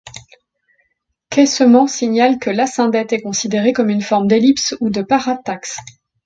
Quesemand signale que l'asyndète est considérée comme une forme d'ellipse ou de parataxe.